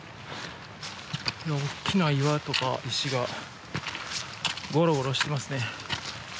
大きな岩とか石がごろごろしてますね。